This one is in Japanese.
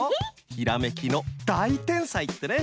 ひらめきのだいてんさいってね！